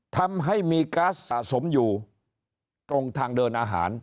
ทำให้มีก๊าซสะสมอยู่ตรงทางเดินอาหาร